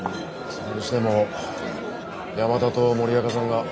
それにしても山田と森若さんが。